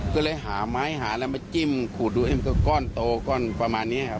ก็เลยหาไม้หาอะไรมาจิ้มขูดดูมันก็ก้อนโตก้อนประมาณนี้ครับ